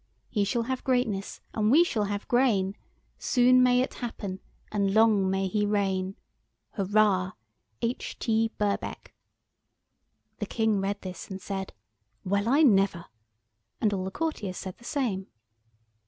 He shall have greatness and we shall have grain; Soon may it happen and long may he reign! Hurrah. H. T. BIRKBECK." The King read this, and said— "Well, I never!" And all the courtiers said the same.